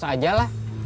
tiga ratus aja lah